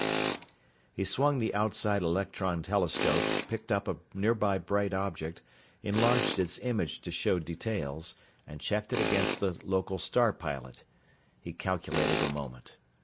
He swung the outside electron telescope, picked up a nearby bright object, enlarged its image to show details, and checked it against the local star pilot. He calculated a moment.